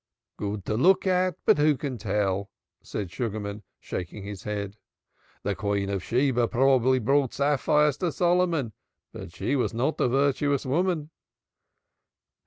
"Good to look at. But who can tell?" said Sugarman, shaking his head. "The Queen of Sheba probably brought sapphires to Solomon, but she was not a virtuous woman."